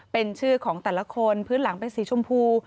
เป็นชื่อของแต่ละคนพื้นหลังเป็นสีชมพู